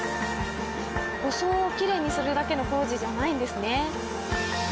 装をきれいにするだけの工事じゃないんですね。